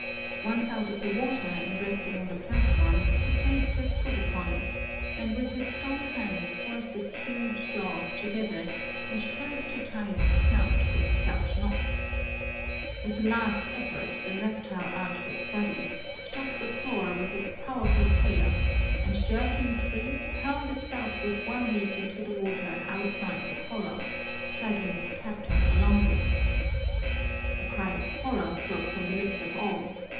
Once out of the water and resting on the platform, he placed his foot upon it and with his strong hands forced its huge jaws together and tried to tie its snout with stout knots. With a last effort the reptile arched its body, struck the floor with its powerful tail, and jerking free, hurled itself with one leap into the water outside the corral, dragging its captor along with it. A cry of horror broke from the lips of all.